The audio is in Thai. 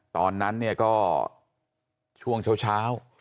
ตอนนั้นเนี่ยก็ช่วงเช้า